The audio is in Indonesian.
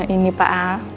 ini pak al